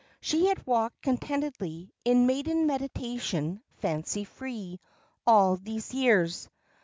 She had walked contentedly "in maiden meditation, fancy free," all these years.